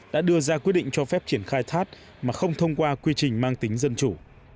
đã đưa ra quyết định cho phép triển khai thác mà không thông qua quy trình mang tính dân chủ